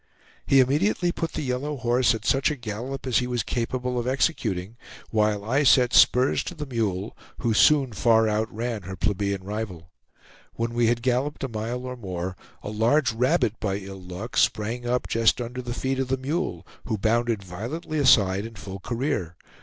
He immediately put the yellow horse at such a gallop as he was capable of executing, while I set spurs to the mule, who soon far outran her plebeian rival. When we had galloped a mile or more, a large rabbit, by ill luck, sprang up just under the feet of the mule, who bounded violently aside in full career.